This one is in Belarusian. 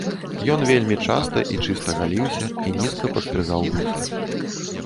Ён вельмі часта і чыста галіўся і нізка падстрыгаў вусы.